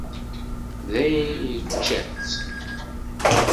Dayen yečča-tt.